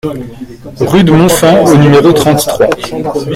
Rue de Montfand au numéro trente-trois